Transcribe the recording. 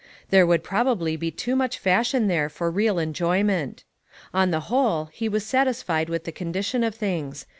There would prob ably be too much fashion there for real enjoyment. On the whole, he was satisfied with the condition of things.